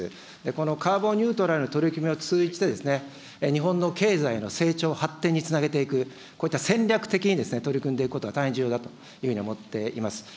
このカーボンニュートラルの取り決めを通じて、日本の経済の成長，発展につなげていく、こういった戦略的に取り組んでいくことが大変重要だというふうに思っています。